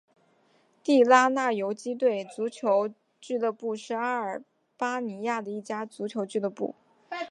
地拉那游击队足球俱乐部是阿尔巴尼亚的一家足球俱乐部。